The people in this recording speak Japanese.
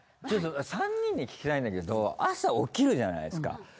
ちょっと３人に聞きたいんだけど朝起きるじゃないっすか。